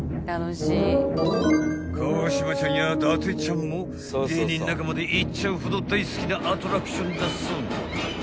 ［川島ちゃんや伊達ちゃんも芸人仲間で行っちゃうほど大好きなアトラクションだそうな］